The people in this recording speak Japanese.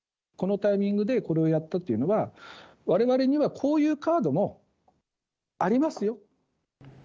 このタイミングでこれをやったというのは、われわれにはこういうカードもありますよと。